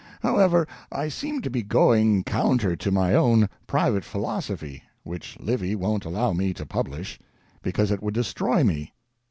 However, I seem to be going counter to my own Private Philosophy — which Livy won't allow me to publish — because it would destroy me.